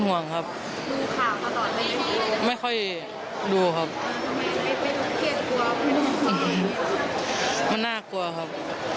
วิ่งไปกอดครับอืมครับ